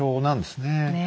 ねえ。